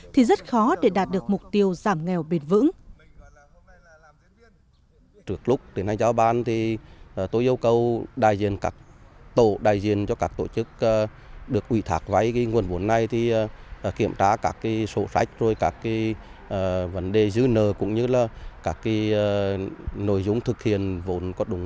thì rất khó để đạt được mục tiêu giảm nghèo bền vững